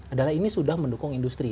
adalah ini sudah mendukung industri